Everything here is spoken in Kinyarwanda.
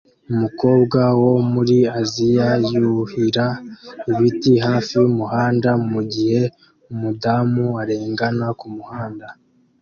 Umukobwa wo muri Aziya yuhira ibiti hafi yumuhanda mugihe umudamu arengana kumuhanda